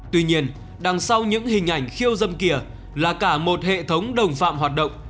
tuy nhiên đằng sau những hình ảnh khiêu dâm kia là cả một hệ thống đồng phạm hoạt động